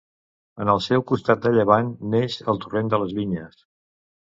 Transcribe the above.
En el seu costat de llevant neix el torrent de les Vinyes.